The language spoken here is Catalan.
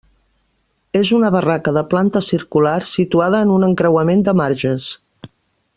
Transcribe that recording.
És una barraca de planta circular situada en un encreuament de marges.